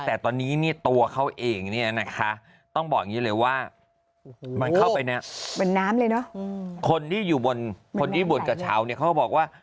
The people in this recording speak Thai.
แต่ตอนนี้ตัวเขาเองนะคะ